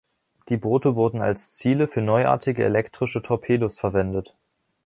Die Boote wurden als Ziele für neuartige elektrische Torpedos verwendet.